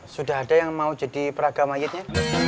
sudah ada yang mau jadi frage mayitnya